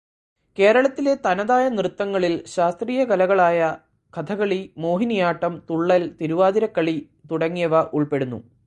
കേരളത്തിലെ തനതായ നൃത്തങ്ങളിൽ ശാസ്ത്രീയകലകളായ കഥകളി, മോഹിനിയാട്ടം, തുള്ളൽ, തിരുവാതിരക്കളി തുടങ്ങിയവ ഉൾപ്പെടുന്നു.